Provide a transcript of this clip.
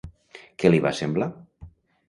Què li va semblar?